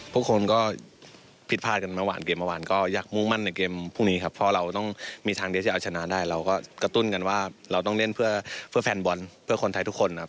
พวกคนนึงก็ผิดพลาดเกมวัน